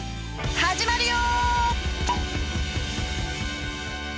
始まるよ！